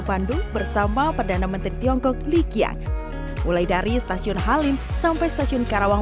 bandung bersama perdana menteri tiongkok li kiang mulai dari stasiun halim sampai stasiun karawang